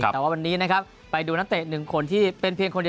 แต่ว่าวันนี้ไปดูนัทเตะหนึ่งคนที่เป็นคนเดียว